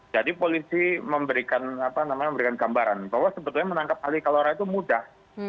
jadi polisi memberikan gambaran bahwa sebetulnya menangkap ali kalora itu mudah